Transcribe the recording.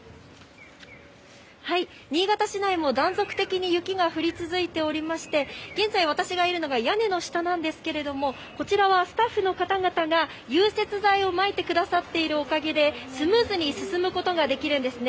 新潟市内も、断続的に雪が降り続いておりまして、現在、私がいるのが屋根の下なんですけれども、こちらはスタッフの方々が融雪剤をまいてくださっているおかげで、スムーズに進むことができるんですね。